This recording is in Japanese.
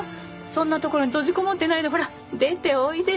そんな所に閉じこもってないでほら出ておいで。